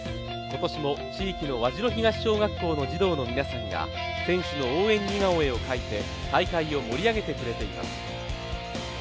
今年も地域の和白東小学校の児童の皆さんが選手の応援似顔絵を描いて大会を盛り上げてくれています。